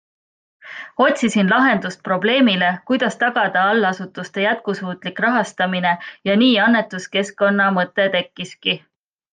Otsisin lahendust probleemile, kuidas tagada allasutuste jätkusuutlik rahastamine ja nii annetuskeskkonna mõte tekkiski.